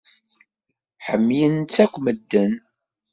Ḥemmlen-tt akk medden.